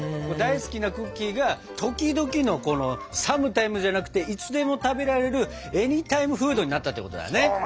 大好きなクッキーが時々のこのサムタイムじゃなくていつでも食べられるエニータイムフードになったってことだね。